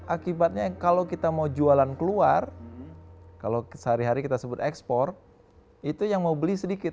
akibatnya kalau kita mau jualan keluar kalau sehari hari kita sebut ekspor itu yang mau beli sedikit